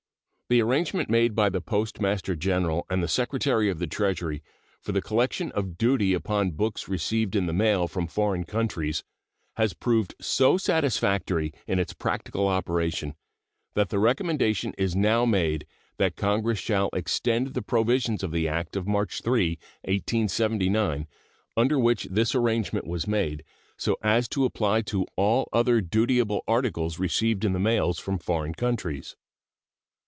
The arrangement made by the Postmaster General and the Secretary of the Treasury for the collection of duty upon books received in the mail from foreign countries has proved so satisfactory in its practical operation that the recommendation is now made that Congress shall extend the provisions of the act of March 3, 1879, under which this arrangement was made, so as to apply to all other dutiable articles received in the mails from foreign countries.